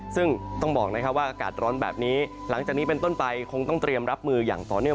ซึ่งต้องบอกนะครับว่าอากาศร้อนแบบนี้หลังจากนี้เป็นต้นไปคงต้องเตรียมรับมืออย่างต่อเนื่อง